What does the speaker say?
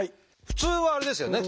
普通はあれですよね